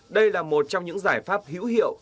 đây là một trong những giải pháp hữu hiệu